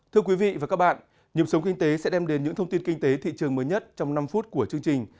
thưa quý vị và các bạn nhiệm sống kinh tế sẽ đem đến những thông tin kinh tế thị trường mới nhất trong năm phút của chương trình